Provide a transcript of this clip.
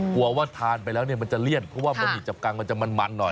ว่าทานไปแล้วเนี่ยมันจะเลี่ยนเพราะว่าบะหมี่จับกังมันจะมันหน่อย